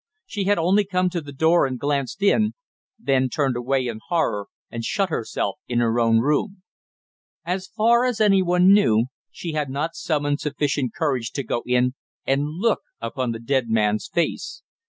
She had only come to the door and glanced in, then turned away in horror and shut herself in her own room. As far as anyone knew, she had not summoned sufficient courage to go in and look upon the dead man's face.